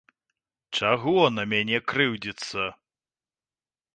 Чаго на мяне крыўдзіцца?